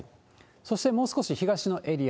そしてもう少し東のエリア。